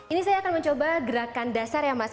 ini saya akan mencoba gerakan dasar ya mas